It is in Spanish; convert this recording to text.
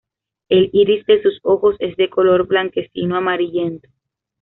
El iris de sus ojos es de color blanquecino amarillento.